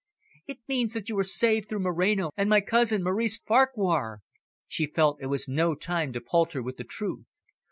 "It means that you are saved through Moreno, and my cousin Maurice Farquhar." She felt it was no time to palter with the truth.